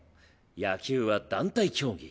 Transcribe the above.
野球は団体競技。